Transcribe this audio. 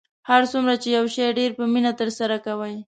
هر څومره چې یو شی ډیر په مینه ترسره کوئ